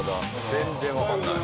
全然わかんない。